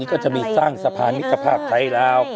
มันก็จะมีสร้างสะพานมิขภาพภัยแล้ว